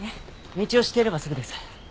道を知っていればすぐです。